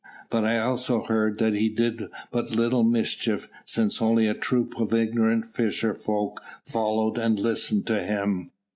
But I also heard that he did but little mischief, since only a troop of ignorant fisher folk followed and listened to him."